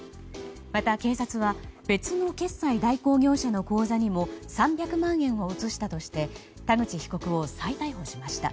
また、警察は別の決済代行業者の口座にも３００万円を移したとして田口被告を再逮捕しました。